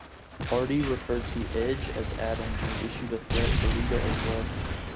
Hardy referred to Edge as "Adam" and issued a threat to Lita as well.